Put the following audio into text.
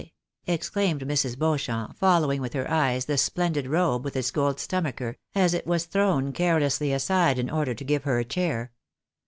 " exclaimed Mrs. Beauchamp, following with her eyes the splendid robe with its gold stomacher, as it was thrown carelessly aside in order to give her a chair.